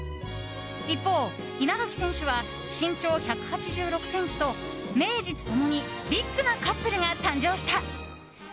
一方稲垣選手は身長１８６ｃｍと名実共にビッグなカップルが誕生した。